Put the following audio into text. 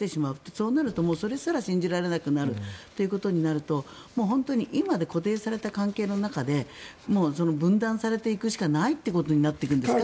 そうなるとそれすら信じられなくなるということになると今で固定された関係の中で分断されていくしかないってことになっていくんですかね？